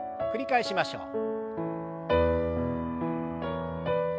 繰り返しましょう。